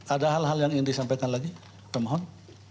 ada hal hal yang ingin disampaikan lagi pemohon